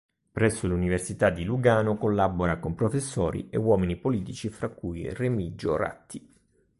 Presso l'Università di Lugano collabora con professori e uomini politici fra cui Remigio Ratti.